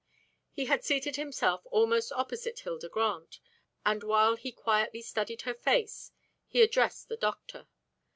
He had seated himself almost opposite Hilda Grant, and while he quietly studied her face, he addressed the doctor.